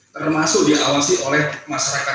termasuk diawasi oleh masyarakat